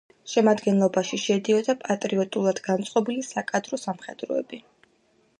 შემადგენლობაში შედიოდა პატრიოტულად განწყობილი საკადრო სამხედროები.